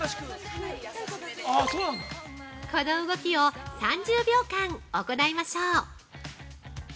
◆この動きを３０秒間行いましょう。